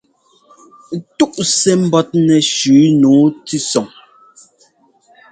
Túꞌ sɛ́ ḿbɔ́tnɛ shʉ́ nǔu tʉ́sɔŋ.